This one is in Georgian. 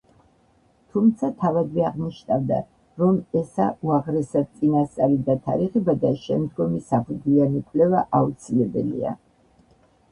თუმცა თავადვე აღნიშნავდა, რომ ესა უაღრესად წინასწარი დათარიღება და შემდგომი საფუძვლიანი კვლევა აუცილებელია.